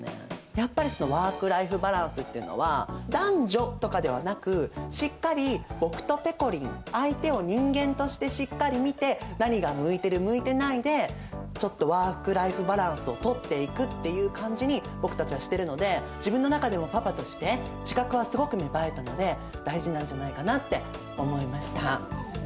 やっぱりそのワーク・ライフ・バランスっていうのは男女とかではなくしっかり僕とぺこりん相手を人間としてしっかり見て何が向いてる向いてないでちょっとワーク・ライフ・バランスをとっていくっていう感じに僕たちはしてるので自分の中ではパパとして自覚はすごく芽生えたので大事なんじゃないかなって思いました。